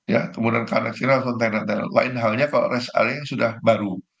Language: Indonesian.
ya kemudian koneksinya lain halnya kalau rest area yang sudah baru